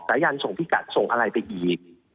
สายันส่งพิกัดส่งอะไรไปอีก